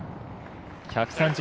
１３０